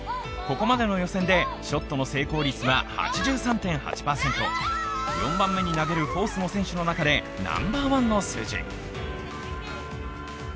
ここまでの予選でショットの成功率は８３．８％、４番目に投げるフォースの選手の中でナンバーワンの数字。